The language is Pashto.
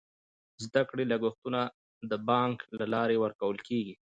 د زده کړې لګښتونه د بانک له لارې ورکول کیږي.